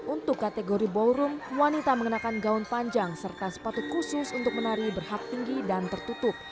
untuk kategori ballroom wanita mengenakan gaun panjang serta sepatu khusus untuk menari berhak tinggi dan tertutup